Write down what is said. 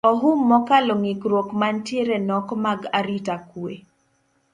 Ohum mokalo ng`ikruok mantiere nok mag arita kwe